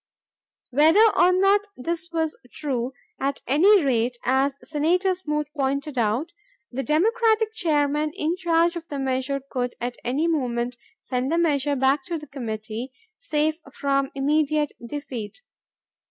Whether or not this was true, at any rate, as Senator Smoot pointed out, the Democratic Chairman in charge of the measure could at any moment send the measure back to Committee, safe from immediate defeat.